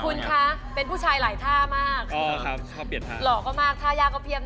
คุณคะเป็นผู้ชายหลายท่ามากหล่อก็มากท่ายากก็เพียง